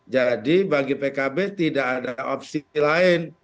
jadi bagi pkb tidak ada opsi lain